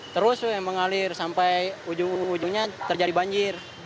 terus mengalir sampai ujung ujungnya terjadi banjir